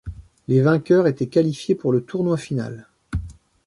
Les vainqueurs étaient qualifiés pour le tournoi final.